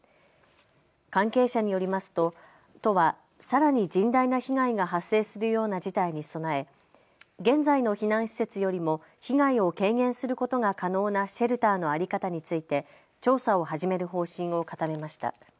関係者によりますと都は、さらに甚大な被害が発生するような事態に備え現在の避難施設よりも被害を軽減することが可能なシェルターの在り方について調査を始める方針を固めました。